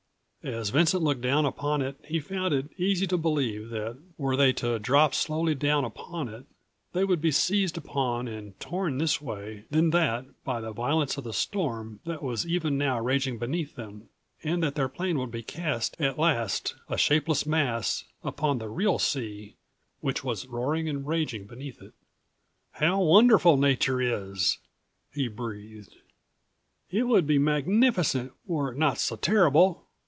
As Vincent looked down upon it he found it easy to believe that were they to drop slowly down upon it, they would be seized upon and torn this way, then that by the violence of the storm that was even now raging beneath them, and that their plane would be cast at last, a shapeless mass, upon the real sea which was roaring and raging beneath it. "How wonderful nature is!" he breathed. "It would be magnificent were it not so terrible."